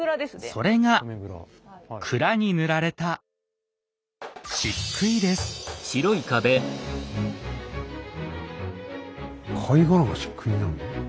それが蔵に塗られた貝殻がしっくいになるの？